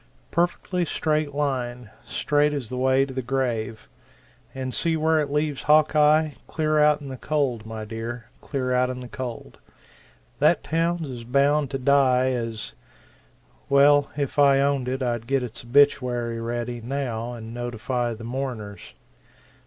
Perfectly straight line straight as the way to the grave. And see where it leaves Hawkeye clear out in the cold, my dear, clear out in the cold. That town's as bound to die as well if I owned it I'd get its obituary ready, now, and notify the mourners.